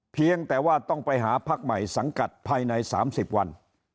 เพียงแต่ว่าต้องไปหาพักใหม่สังกัดภายใน๓๐วัน